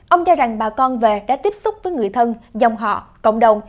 ông cho rằng bà con về đã tiếp xúc với người thân dòng họ cộng đồng